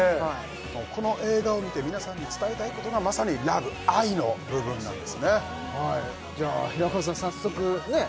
この映画を見て皆さんに伝えたいことがまさにラブ愛の部分なんですねじゃあ平子さん早速ねえ？